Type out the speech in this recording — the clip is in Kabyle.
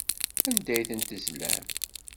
Anda ay ten-tezlam?